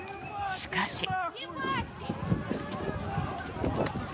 しかし。